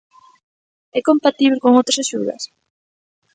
É compatíbel con outras axudas?